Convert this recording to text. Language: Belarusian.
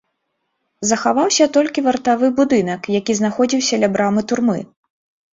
Захаваўся толькі вартавы будынак, які знаходзіўся ля брамы турмы.